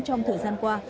trong thời gian qua